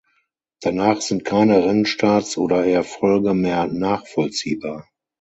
Danach sind keine Rennstarts oder Erfolge mehr nachvollziehbar.